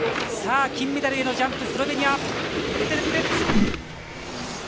金メダルへのジャンプ。